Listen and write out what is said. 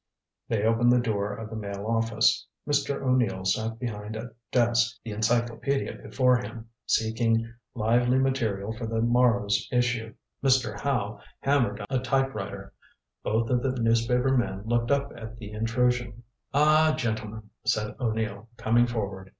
They opened the door of the Mail office. Mr. O'Neill sat behind a desk, the encyclopedia before him, seeking lively material for the morrow's issue. Mr. Howe hammered at a typewriter. Both of the newspaper men looked up at the intrusion. "Ah, gentlemen," said O'Neill, coming forward.